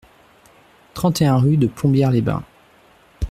trente et un rue de Plombières-les-Bains